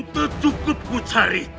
tidak cukup aku cerita